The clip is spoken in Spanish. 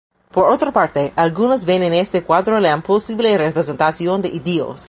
Por otra parte, algunos ven en este cuadro la imposible representación de Dios.